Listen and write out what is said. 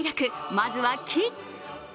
まずは「喜」。